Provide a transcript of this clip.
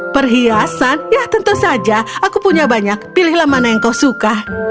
perhiasan ya tentu saja aku punya banyak pilihlah mana yang kau suka